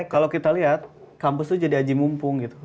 kalau kita lihat kampus itu jadi aji mumpung gitu